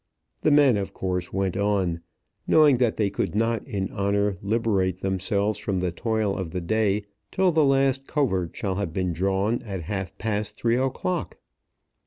The men of course went on, knowing that they could not in honour liberate themselves from the toil of the day till the last covert shall have been drawn at half past three o'clock.